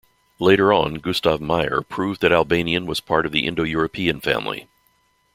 Later on Gustav Meyer proved that Albanian was part of the Indo-European family.